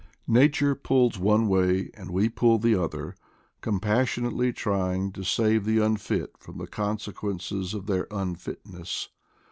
Nature pulls one way and we pull the other, compassionately trying to save the unfit from the consequences of their unfit ness.